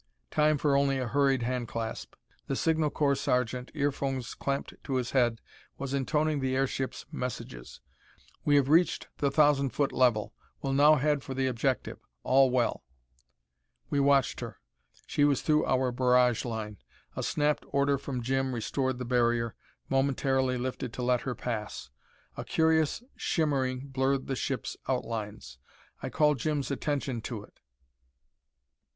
Time for only a hurried handclasp. The signal corps sergeant, earphones clamped to his head, was intoning the airship's messages. "We have reached the thousand foot level. Will now head for the objective. All well." We watched her. She was through our barrage line. A snapped order from Jim restored the barrier, momentarily lifted to let her pass. A curious shimmering blurred the ship's outlines. I called Jim's attention to it.